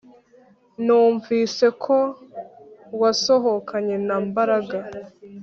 Numvise ko wasohokanye na Mbaraga